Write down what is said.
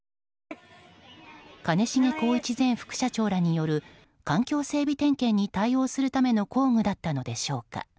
兼重宏一前副社長らによる環境整備点検に対応するための工具だったのでしょうか。